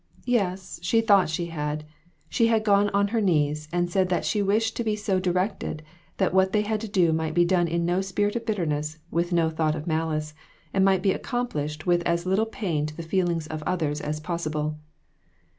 Yes, she thought she had ; she had gone on her knees, and said that she wished to be so directed that what they had to do might be done in no spirit of bitterness, with no thought of malice ; and might be accomplished with as little pain to the feelings of others as possible.